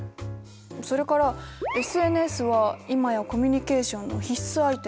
それからＳＮＳは今やコミュニケーションの必須アイテム。